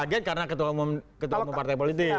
kaget karena ketua umum partai politik